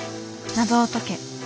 「謎を解け」。